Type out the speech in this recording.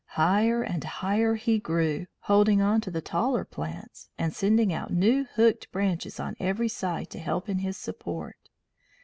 Higher and higher he grew, holding on to the taller plants, and sending out new hooked branches on every side to help in his support.